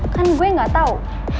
kan gue gak tau